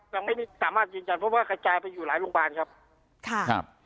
ยังไม่สามารถยืนยันเพราะว่ากระจายไปอยู่หลายโรงพยาบาลครับค่ะครับ